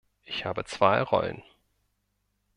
Ich habe zwei Rollen.